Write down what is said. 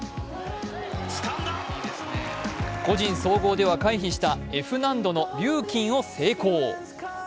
個人総合では回避したＦ難度のリューキンを成功。